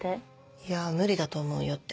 いや無理だと思うよって。